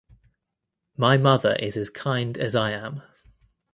My mother is as kind as I am.